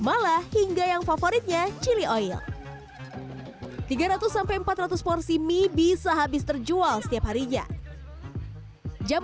malah hingga yang favoritnya chili oil tiga ratus empat ratus porsi mie bisa habis terjual setiap harinya jam